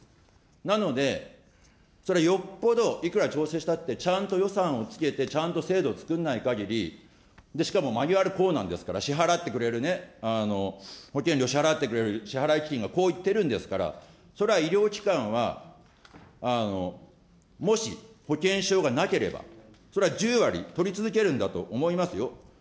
なので、それよっぽどいくら調整したって、ちゃんと予算をつけて、ちゃんと制度を作んないかぎり、しかもマニュアルこうなんですから、支払ってくれるね、保険料支払ってくれる、支払基金がこう言ってるんですから、それは医療機関は、もし保険証がなければ、そりゃ１０割、取り続けるんだと思いますよ。